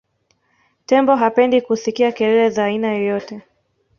tembo hapendi kusikia kelele za aina yoyote